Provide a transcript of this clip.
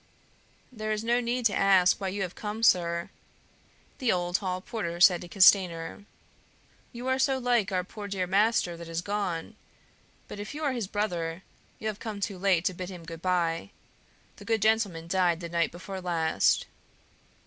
"There is no need to ask why you have come, sir," the old hall porter said to Castanier; "you are so like our poor dear master that is gone. But if you are his brother, you have come too late to bid him good by. The good gentleman died the night before last."